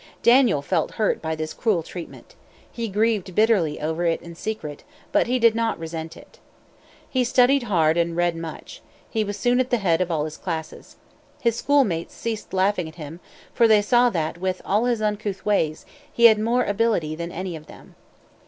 Daniel felt hurt by this cruel treatment. He grieved bitterly over it in secret, but he did not resent it. He studied hard and read much. He was soon at the head of all his classes. His schoolmates ceased laughing at him; for they saw that, with all his uncouth ways, he had more ability than any of them.